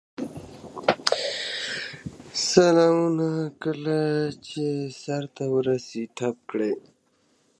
دا موضوع په ډېر تفصیل سره بیان شوه.